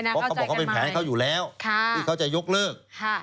เพราะเขาบอกว่าเป็นแผนเขาอยู่แล้วที่เขาจะยกเลิก